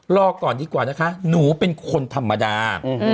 รอก่อนดีกว่านะคะหนูเป็นคนธรรมดา